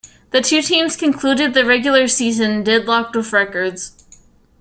The two teams concluded the regular season deadlocked with records.